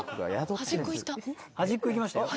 端っこいきましたよ。